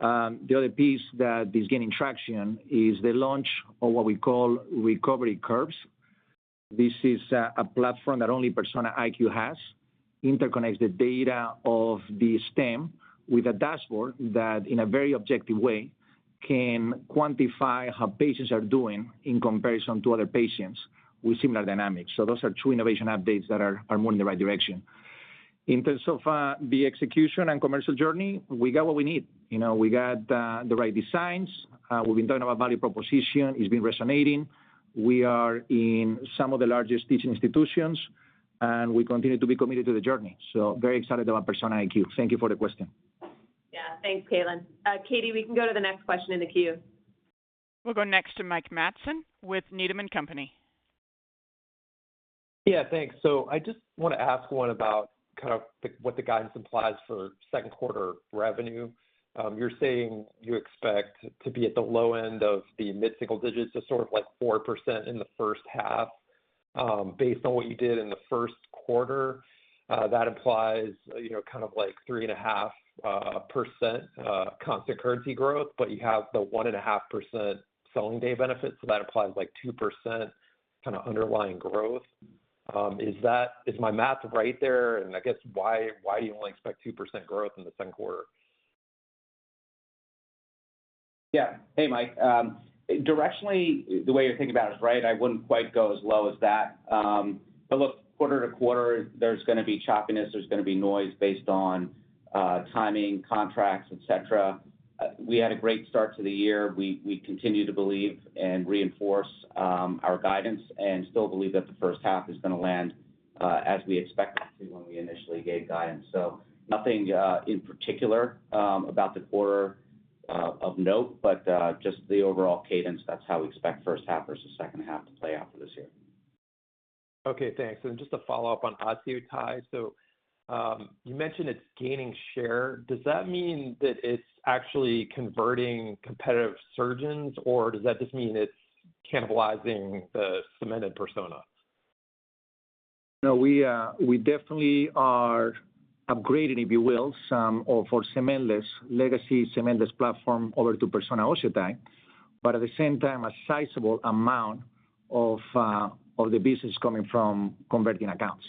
The other piece that is gaining traction is the launch of what we call Recovery Curves. This is a platform that only Persona IQ has, interconnects the data of the stem with a dashboard that, in a very objective way, can quantify how patients are doing in comparison to other patients with similar dynamics. So those are two innovation updates that are moving in the right direction. In terms of the execution and commercial journey, we got what we need. You know, we got the right designs, we've been talking about value proposition, it's been resonating. We are in some of the largest teaching institutions, and we continue to be committed to the journey. So very excited about Persona IQ. Thank you for the question. Yeah. Thanks, Caitlin. Katie, we can go to the next question in the queue. We'll go next to Mike Matson with Needham & Company. Yeah, thanks. So I just want to ask one about kind of what the guidance implies for second quarter revenue. You're saying you expect to be at the low end of the mid single digits, so sort of like 4% in the first half. Based on what you did in the first quarter, that implies, you know, kind of like 3.5%, constant currency growth, but you have the 1.5% selling day benefit, so that implies like 2% kind of underlying growth. Is that my math right there? And I guess why, why do you only expect 2% growth in the second quarter? Yeah. Hey, Mike. Directionally, the way you're thinking about it is right. I wouldn't quite go as low as that. But look, quarter to quarter, there's going to be choppiness, there's going to be noise based on timing, contracts, et cetera. We had a great start to the year. We continue to believe and reinforce our guidance and still believe that the first half is going to land as we expected to when we initially gave guidance. So nothing in particular about the quarter of note, but just the overall cadence, that's how we expect first half versus second half to play out for this year. Okay, thanks. Just a follow-up on OsseoTi. So, you mentioned it's gaining share. Does that mean that it's actually converting competitive surgeons, or does that just mean it's cannibalizing the cemented Persona? No, we, we definitely are upgrading, if you will, some of our cementless legacy, cementless platform over to Persona OsseoTi, but at the same time, a sizable amount of, of the business coming from converting accounts.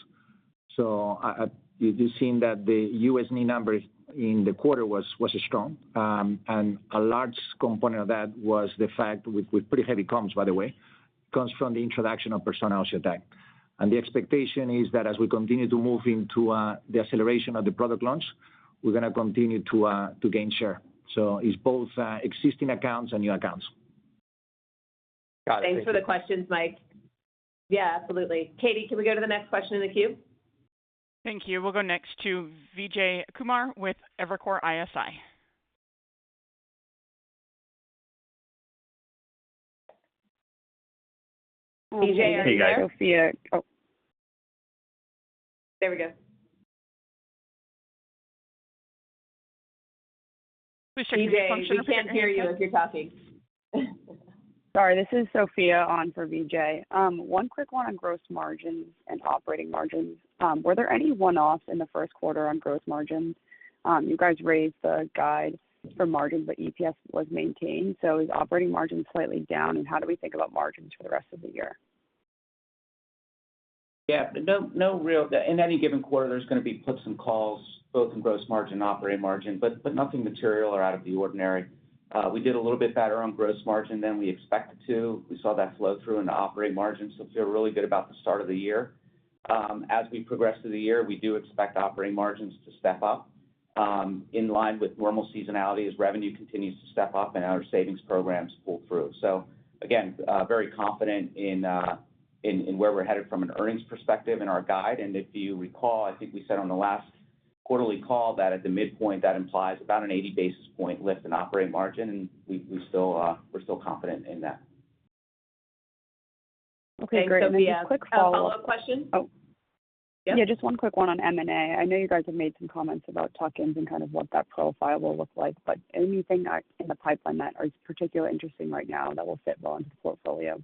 So I, you've seen that the U.S. knee numbers in the quarter was strong, and a large component of that was the fact, with pretty heavy comms, by the way, comes from the introduction of Persona OsseoTi. And the expectation is that as we continue to move into, the acceleration of the product launch, we're going to continue to, to gain share. So it's both, existing accounts and new accounts. Got it. Thanks for the questions, Mike. Yeah, absolutely. Katie, can we go to the next question in the queue? Thank you. We'll go next to Vijay Kumar with Evercore ISI. Vijay, are you there? Hey, guys. Sophia... Oh, there we go. We should get this function- Vijay, we can't hear you as you're talking. Sorry, this is Sophia on for Vijay. One quick one on gross margins and operating margins. Were there any one-offs in the first quarter on gross margins? You guys raised the guide for margin, but EPS was maintained, so is operating margin slightly down, and how do we think about margins for the rest of the year? Yeah. In any given quarter, there's going to be puts and takes, both in gross margin and operating margin, but nothing material or out of the ordinary. We did a little bit better on gross margin than we expected to. We saw that flow through into operating margins, so we feel really good about the start of the year. As we progress through the year, we do expect operating margins to step up in line with normal seasonality as revenue continues to step up and our savings programs pull through. So again, very confident in where we're headed from an earnings perspective and our guide. If you recall, I think we said on the last quarterly call that at the midpoint, that implies about an 80 basis point lift in operating margin, and we still, we're still confident in that. Okay, great. And just a quick follow-up- Follow-up question? Oh, yeah, just one quick one on M&A. I know you guys have made some comments about tuck-ins and kind of what that profile will look like, but anything out in the pipeline that is particularly interesting right now that will fit well into the portfolio?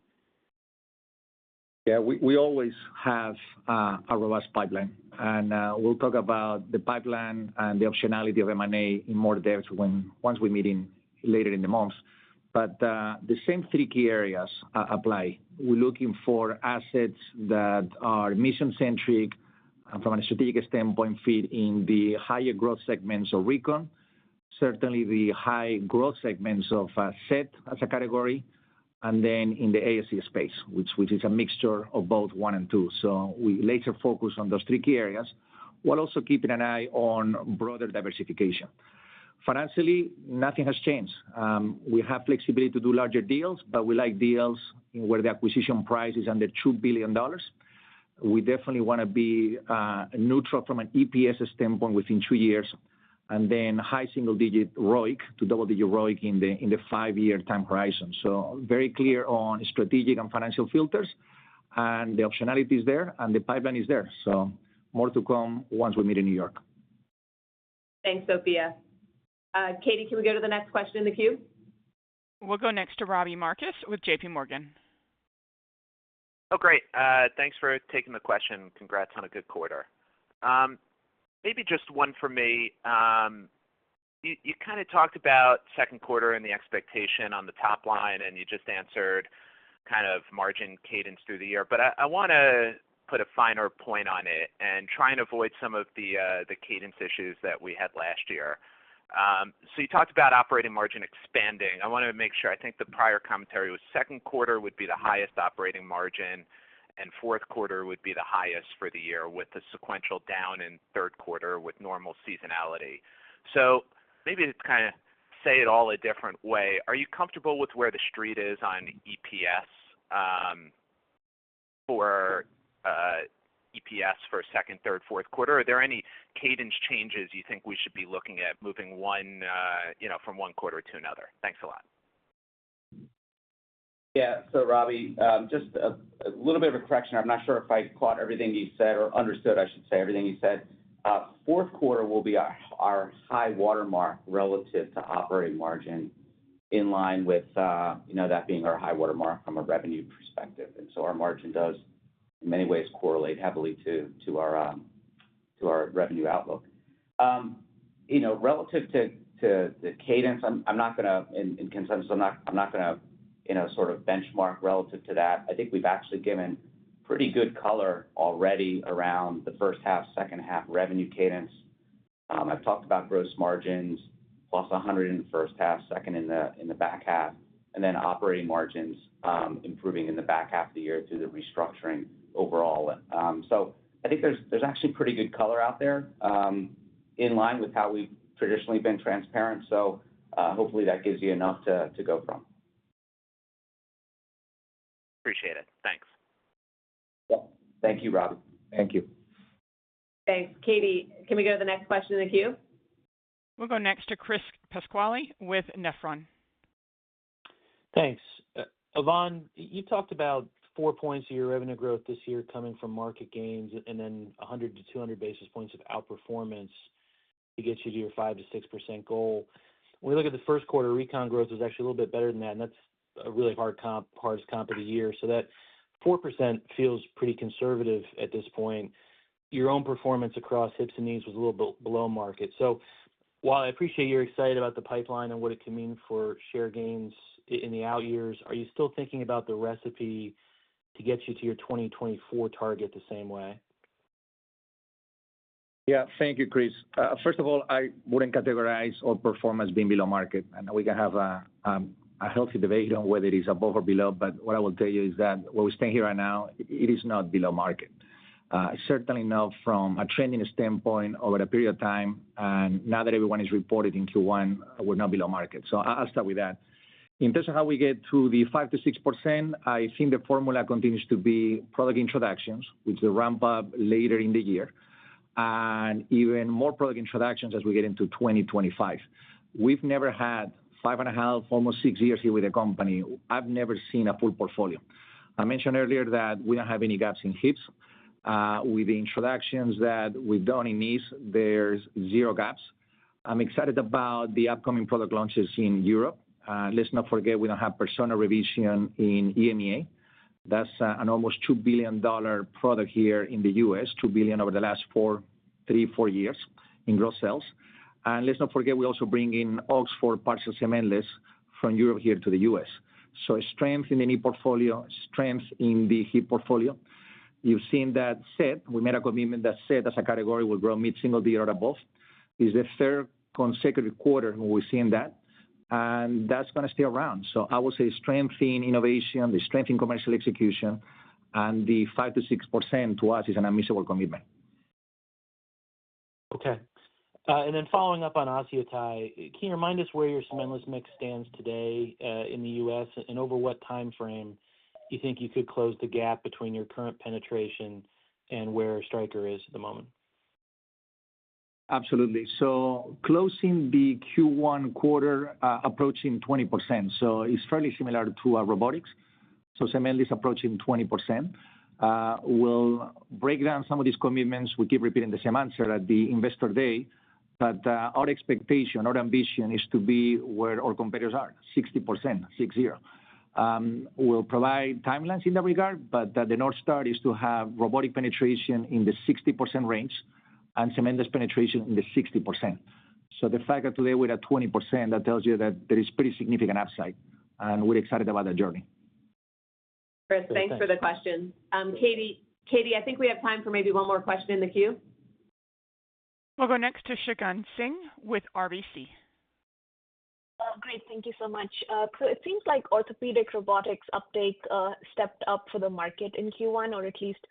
Yeah, we always have a robust pipeline, and we'll talk about the pipeline and the optionality of M&A in more depth once we meet later in the month. But the same three key areas apply. We're looking for assets that are mission-centric and from a strategic standpoint fit in the higher growth segments of recon, certainly the high growth segments of SET as a category, and then in the ASC space, which is a mixture of both one and two. So we always focus on those three key areas, while also keeping an eye on broader diversification. Financially, nothing has changed. We have flexibility to do larger deals, but we like deals where the acquisition price is under $2 billion. We definitely wanna be neutral from an EPS standpoint within two years, and then high single-digit ROIC to double-digit ROIC in the five-year time horizon. So very clear on strategic and financial filters, and the optionality is there, and the pipeline is there. So more to come once we meet in New York. Thanks, Sophia. Katie, can we go to the next question in the queue? We'll go next to Robbie Marcus with JPMorgan. Oh, great. Thanks for taking the question. Congrats on a good quarter. Maybe just one for me. You kind of talked about second quarter and the expectation on the top line, and you just answered kind of margin cadence through the year. But I wanna put a finer point on it and try and avoid some of the cadence issues that we had last year. So you talked about operating margin expanding. I wanna make sure. I think the prior commentary was second quarter would be the highest operating margin, and fourth quarter would be the highest for the year, with the sequential down in third quarter with normal seasonality. So maybe to kind of say it all a different way, are you comfortable with where the street is on EPS for EPS for second, third, fourth quarter? Are there any cadence changes you think we should be looking at moving one, you know, from one quarter to another? Thanks a lot. Yeah. So Robbie, just a little bit of a correction. I'm not sure if I caught everything you said or understood, I should say, everything you said. Fourth quarter will be our high watermark relative to operating margin, in line with, you know, that being our high watermark from a revenue perspective. And so our margin does, in many ways, correlate heavily to our revenue outlook. You know, relative to cadence, I'm not gonna... and consensus, I'm not gonna, you know, sort of benchmark relative to that. I think we've actually given pretty good color already around the first half, second half revenue cadence. I've talked about gross margins, plus 100 in the first half, 200 in the back half, and then operating margins improving in the back half of the year through the restructuring overall. So, I think there's actually pretty good color out there, in line with how we've traditionally been transparent. So, hopefully, that gives you enough to go from. Appreciate it. Thanks. Yep. Thank you, Robbie. Thank you. Thanks. Katie, can we go to the next question in the queue? We'll go next to Chris Pasquale with Nephron. Thanks. Ivan, you talked about four points of your revenue growth this year coming from market gains and then 100-200 basis points of outperformance to get you to your 5%-6% goal. When we look at the first quarter, recon growth was actually a little bit better than that, and that's a really hard comp, hardest comp of the year. So that 4% feels pretty conservative at this point. Your own performance across hips and knees was a little bit below market. So while I appreciate you're excited about the pipeline and what it could mean for share gains in the out years, are you still thinking about the recipe to get you to your 2024 target the same way? Yeah. Thank you, Chris. First of all, I wouldn't categorize our performance being below market. I know we can have a healthy debate on whether it is above or below, but what I will tell you is that where we stand here right now, it is not below market. Certainly not from a trending standpoint over a period of time, and now that everyone is reported into one, we're not below market. So I'll start with that. In terms of how we get to the 5%-6%, I think the formula continues to be product introductions, which will ramp up later in the year, and even more product introductions as we get into 2025. We've never had 5.5%, almost six years here with the company, I've never seen a full portfolio. I mentioned earlier that we don't have any gaps in hips. With the introductions that we've done in knees, there's zero gaps. I'm excited about the upcoming product launches in Europe. Let's not forget, we don't have Persona Revision in EMEA. That's an almost $2 billion product here in the U.S., $2 billion over the last three or four years in gross sales. And let's not forget, we also bring in Oxford partial cementless from Europe here to the U.S. So strength in the knee portfolio, strength in the hip portfolio. You've seen that set. We made a commitment, that set as a category, will grow mid-single digit or above. It's the third consecutive quarter where we've seen that, and that's gonna stay around. I would say strength in innovation, the strength in commercial execution, and the 5%-6% to us is an unmissable commitment. Okay. Then following up on OsseoTi, can you remind us where your cementless mix stands today, in the U.S., and over what timeframe you think you could close the gap between your current penetration and where Stryker is at the moment? Absolutely. So closing the Q1 quarter, approaching 20%, so it's fairly similar to our robotics. So cementless approaching 20%. We'll break down some of these commitments. We keep repeating the same answer at the Investor Day, but our expectation, our ambition is to be where our competitors are, 60%, six zero. We'll provide timelines in that regard, but the North Star is to have robotic penetration in the 60% range and cementless penetration in the 60%. So the fact that today we're at 20%, that tells you that there is pretty significant upside, and we're excited about the journey. Chris, thanks for the question. Katie, Katie, I think we have time for maybe one more question in the queue. We'll go next to Shagun Singh with RBC.... Great. Thank you so much. So it seems like orthopedic robotics uptake stepped up for the market in Q1, or at least it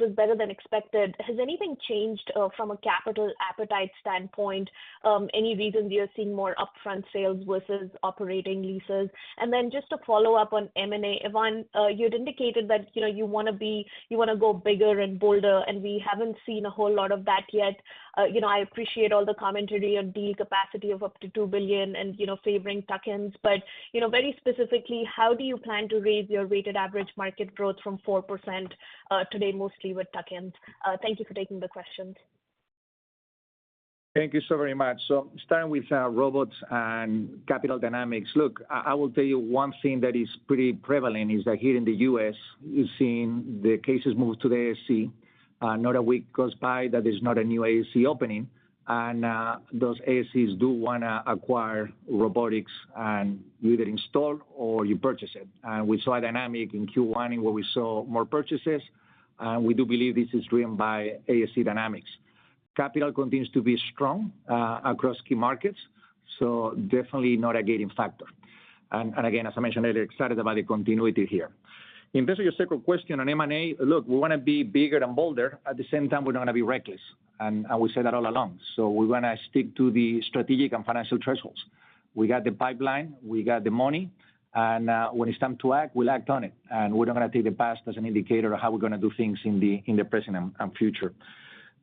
was better than expected. Has anything changed from a capital appetite standpoint? Any reason we are seeing more upfront sales versus operating leases? And then just to follow up on M&A, Ivan, you'd indicated that, you know, you wanna go bigger and bolder, and we haven't seen a whole lot of that yet. You know, I appreciate all the commentary on deal capacity of up to $2 billion and, you know, favoring tuck-ins. But, you know, very specifically, how do you plan to raise your weighted average market growth from 4% today, mostly with tuck-ins? Thank you for taking the questions. Thank you so very much. So starting with robots and capital dynamics, look, I, I will tell you one thing that is pretty prevalent is that here in the U.S., we've seen the cases move to the ASC. Not a week goes by that there's not a new ASC opening, and those ASCs do wanna acquire robotics and either install or you purchase it. And we saw a dynamic in Q1, in where we saw more purchases, and we do believe this is driven by ASC dynamics. Capital continues to be strong across key markets, so definitely not a gating factor. And, and again, as I mentioned earlier, excited about the continuity here. In regards to your second question on M&A, look, we wanna be bigger and bolder, at the same time, we don't wanna be reckless, and, and we say that all along. So we wanna stick to the strategic and financial thresholds. We got the pipeline, we got the money, and when it's time to act, we'll act on it. And we're not gonna take the past as an indicator of how we're gonna do things in the present and future.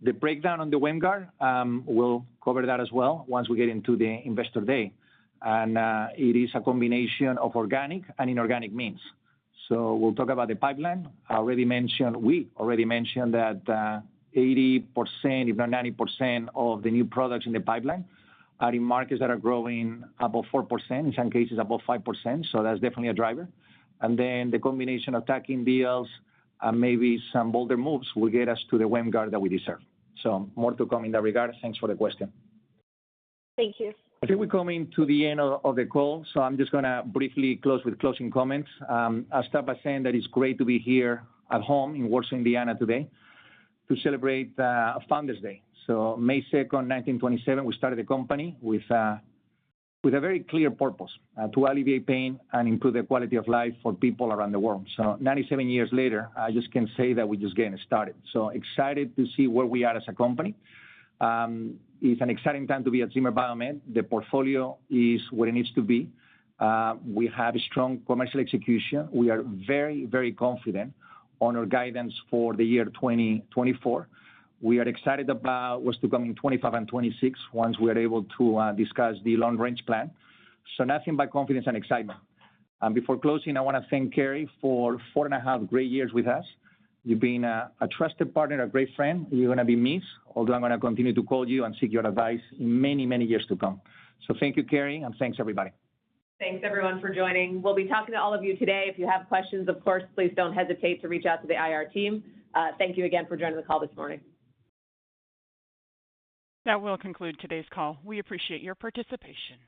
The breakdown on the WAMGR, we'll cover that as well once we get into the Investor Day. And it is a combination of organic and inorganic means. So we'll talk about the pipeline. I already mentioned... We already mentioned that 80%, if not 90%, of the new products in the pipeline are in markets that are growing above 4%, in some cases above 5%, so that's definitely a driver. And then the combination of tuck-in deals and maybe some bolder moves will get us to the WAMGR that we deserve. So more to come in that regard. Thanks for the question. Thank you. I think we're coming to the end of the call, so I'm just gonna briefly close with closing comments. I'll start by saying that it's great to be here at home in Warsaw, Indiana, today to celebrate Founders' Day. May 2nd, 1927, we started the company with a very clear purpose: to alleviate pain and improve the quality of life for people around the world. 97 years later, I just can say that we're just getting started. So excited to see where we are as a company. It's an exciting time to be at Zimmer Biomet. The portfolio is where it needs to be. We have strong commercial execution. We are very, very confident on our guidance for the year 2024. We are excited about what's to come in 2025 and 2026, once we are able to, discuss the long-range plan. Nothing but confidence and excitement. Before closing, I wanna thank Keri for four and a half great years with us. You've been a, a trusted partner and a great friend. You're gonna be missed, although I'm gonna continue to call you and seek your advice in many, many years to come. So thank you, Keri, and thanks, everybody. Thanks, everyone, for joining. We'll be talking to all of you today. If you have questions, of course, please don't hesitate to reach out to the IR team. Thank you again for joining the call this morning. That will conclude today's call. We appreciate your participation.